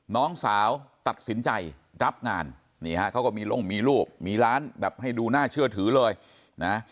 น้องสาวตัดสินใจรับงานนี่ฮะเขาก็มีลงมีลูกมีร้านแบบให้ดูน่าเชื่อถือเลยนะ